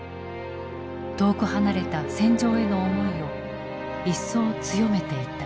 遠く離れた戦場への思いを一層強めていた。